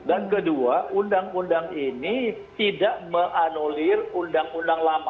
dan kedua undang undang ini tidak menganulir undang undang lama